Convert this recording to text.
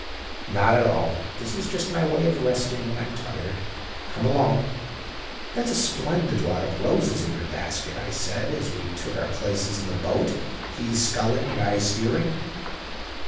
"'Not at all. This is just my way of resting when I'm tired. Come along.' "'That's a splendid lot of roses in your basket,' I said, as we took our places in the boat, he sculling and I steering.